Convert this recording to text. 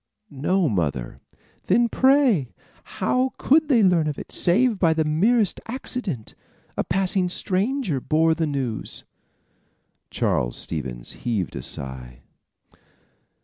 "No, mother." "Then, pray, how could they learn of it save by the merest accident? A passing stranger bore the news." Charles Stevens heaved a sigh.